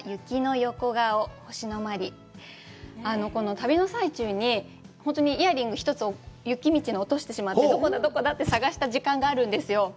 旅の最中に、イヤリング１つを雪道に落としてしまってどこだどこだって捜した時間があるんですよ。